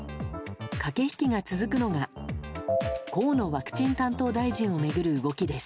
駆け引きが続くのが河野ワクチン担当大臣を巡る動きです。